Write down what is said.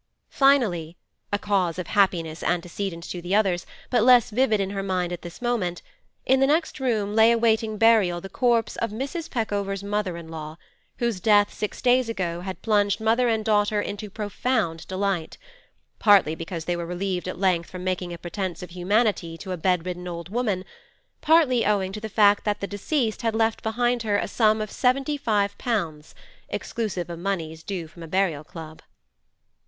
Finally—a cause of happiness antecedent to the others, but less vivid in her mind at this moment—in the next room lay awaiting burial the corpse of Mrs. Peckover's mother in law, whose death six days ago had plunged mother and daughter into profound delight, partly because they were relieved at length from making a pretence of humanity to a bed ridden old woman, partly owing to the fact that the deceased had left behind her a sum of seventy five pounds, exclusive of moneys due from a burial club.